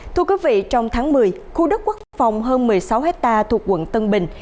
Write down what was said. thưa quý vị trong tháng một mươi khu đất quốc phòng hơn một mươi sáu hectare thuộc quận tân bình